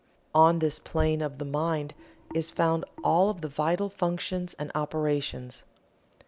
On this plane of the mind is found all of the vital functions and operations.